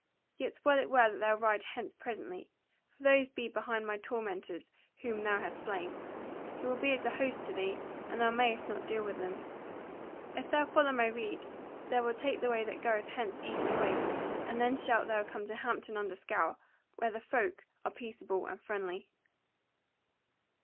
Yet well it were that thou ride hence presently; for those be behind my tormentors whom thou hast slain, who will be as an host to thee, and thou mayst not deal with them. If thou follow my rede, thou wilt take the way that goeth hence east away, and then shalt thou come to Hampton under Scaur, where the folk are peaceable and friendly."